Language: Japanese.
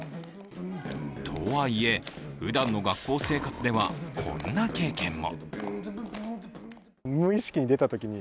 とはいえ、ふだんの学校生活ではこんな経験も。